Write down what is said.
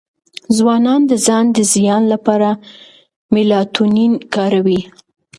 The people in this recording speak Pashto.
ځوانان د ځان د زیان لپاره میلاټونین کاروي.